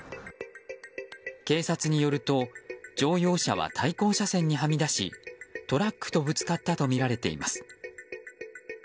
警察によると乗用車は対向車線にはみ出しトラックとぶつかったとみられています。